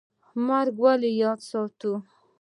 مرګ ولې یاد ساتو؟